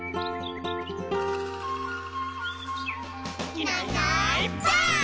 「いないいないばあっ！」